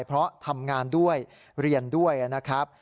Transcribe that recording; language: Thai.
เพราะทำงานด้วยเรียนด้วยนะครับ